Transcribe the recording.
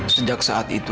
sejak saat itu